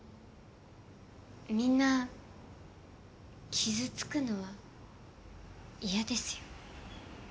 みんな傷つくのは嫌ですよ。